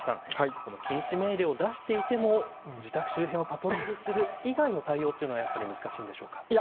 この禁止命令を出していても自宅周辺をパトロールする以外の対応というのはやっぱり難しいんでしょうか。